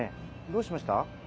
どうしました？